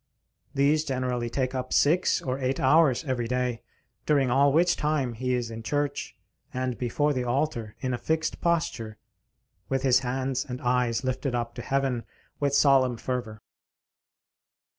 These generally take up six or eight hours every day; during all which time he is in church, and before the altar, in a fixed posture, with his hands and eyes lifted up to heaven with solemn fervor.